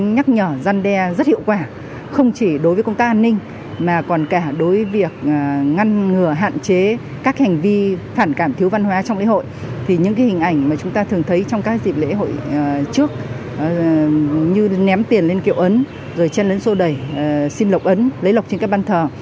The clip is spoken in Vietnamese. như ném tiền lên kiệu ấn rồi chen lấn sâu đầy xin lộc ấn lấy lộc trên các ban thờ